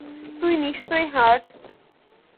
তুই নিশ্চয়ই হার্ট।